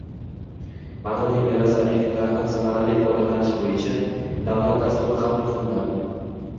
madaniy meros obyektlaridan samarali foydalanish bo‘yicha davlat dasturi qabul qilinadi.